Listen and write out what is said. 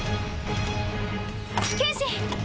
剣心！